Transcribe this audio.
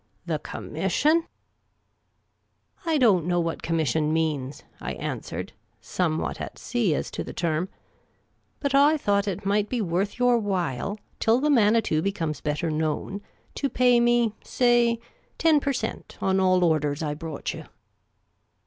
" The commission ?"" I don't know what commission means," I answered, somewhat at sea as to the term ;" but I thought it might be worth your while, till the Manitou becomes better known, to pay me, say, ten per cent, on all orders I brought you."